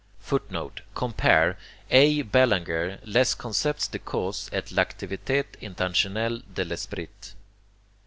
[Footnote: Compare A. Bellanger: Les concepts de Cause, et l'activite intentionelle de l'Esprit.